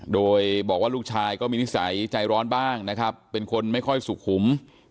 โดยบอกว่าลูกชายก็มีนิสัยใจร้อนบ้างนะครับเป็นคนไม่ค่อยสุขุม